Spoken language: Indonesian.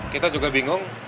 kita juga bingung